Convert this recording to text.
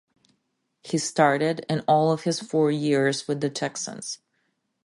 He started in all of his four years with the Texans.